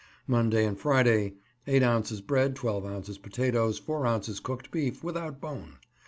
Monday and Friday 8 ounces bread, 12 ounces potatoes, 4 ounces cooked beef (without bone).